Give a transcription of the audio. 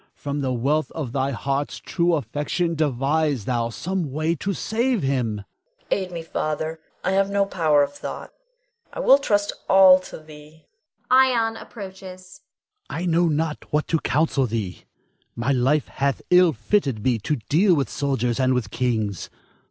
From the wealth of thy heart's true affection, devise thou some way to save him. Iantha. Aid me, Father; I have no power of thought. I will trust all to thee. [Ion approaches. Adrastus. I know not what to counsel thee; my life hath ill fitted me to deal with soldiers and with kings.